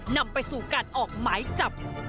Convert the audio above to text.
นำไปสู่การออกหมายจับ